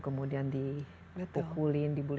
kemudian diukulin dibuli